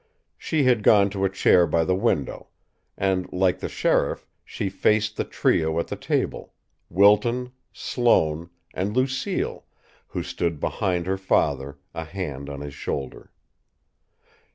She had gone to a chair by the window; and, like the sheriff, she faced the trio at the table: Wilton, Sloane, and Lucille, who stood behind her father, a hand on his shoulder.